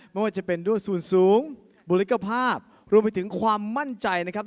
ไม่ว่าจะเป็นด้วยส่วนสูงบุลิกภาพรวมไปถึงความมั่นใจนะครับ